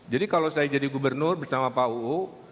jadi kalau saya jadi gubernur bersama pak uu